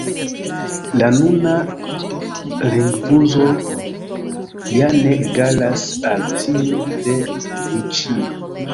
La nuna lingvouzo ja ne egalas al tiu de Luĉjo.